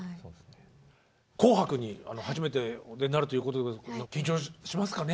「紅白」に初めてお出になるというとこで緊張しますかね？